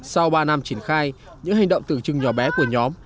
sau ba năm triển khai những hành động tưởng chừng nhỏ bé của nhóm